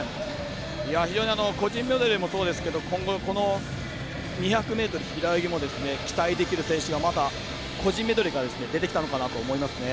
非常に個人メドレーもそうですが今後、この２００ｍ平泳ぎも期待できる選手が、また個人メドレーから出てきたのかなと思いますね。